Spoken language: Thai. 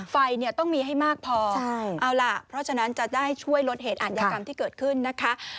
ไฟเนี่ยต้องมีให้มากพอเอาล่ะเพราะฉะนั้นจะได้ช่วยลดเหตุอัธยกรรมที่เกิดขึ้นนะคะ